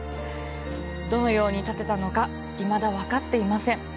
どのように建てたのかいまだ分かっていません。